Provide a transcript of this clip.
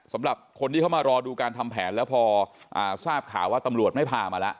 สำหรับคนที่เขามารอดูการทำแผนแล้วพอทราบข่าวว่าตำรวจไม่พามาแล้ว